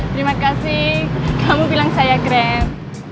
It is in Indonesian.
terima kasih kamu bilang saya grand